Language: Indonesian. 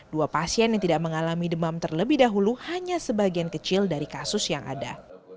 dua pasien yang tidak mengalami demam terlebih dahulu hanya sebagian kecil dari kasus yang ada